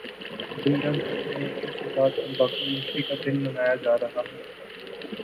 دنیا بھر میں انسداد تمباکو نوشی کا دن منایا جارہاہے